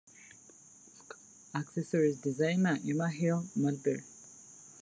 Accessories Designer - Emma Hill (Mulberry)